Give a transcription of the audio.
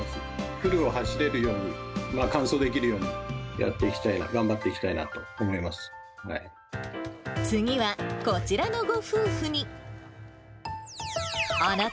フルを走れるように、完走できるように、やっていきたい、次はこちらのご夫婦に。